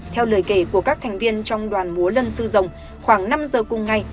theo lời kể của các thành viên trong đoàn múa lân sư rồng khoảng năm giờ cùng ngày